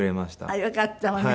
あっよかったわね。